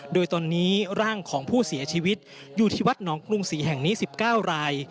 โดยตอนนี้ร่างของผู้เสียชีวิตอยู่ที่วัดหนองกรุงศรีแห่งนี้๑๙ราย